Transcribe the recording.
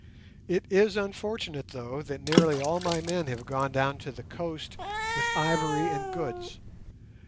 It is unfortunate, though, that nearly all my men have gone down to the coast with ivory and goods.